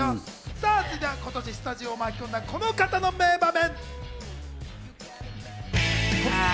さぁ続いては今年スタジオを巻き込んだこの方の名場面。